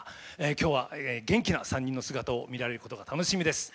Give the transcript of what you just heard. きょうは元気な３人の姿を見られることが楽しみです。